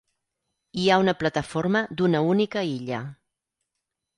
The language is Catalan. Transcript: Hi ha una plataforma d'una única illa.